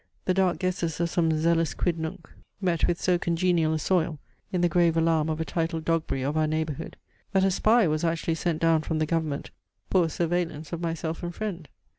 The dark guesses of some zealous Quidnunc met with so congenial a soil in the grave alarm of a titled Dogberry of our neighbourhood, that a spy was actually sent down from the government pour surveillance of myself and friend.